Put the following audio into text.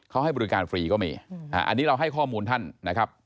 เขาให้บริการฟรีก็มีอันนี้เราให้ข้อมูลท่านนะครับ